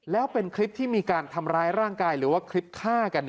แล้วเป็นคลิปที่มีการทำร้ายร่างกายหรือว่าคลิปฆ่ากัน